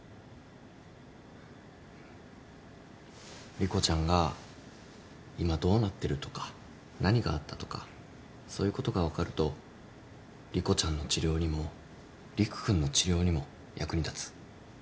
莉子ちゃんが今どうなってるとか何があったとかそういうことが分かると莉子ちゃんの治療にも理玖君の治療にも役に立つ。